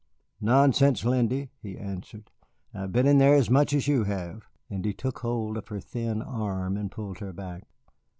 "Nonsense, Lindy," he answered, "I've been in there as much as you have." And he took hold of her thin arm and pulled her back.